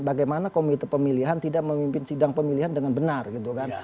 bagaimana komite pemilihan tidak memimpin sidang pemilihan dengan benar gitu kan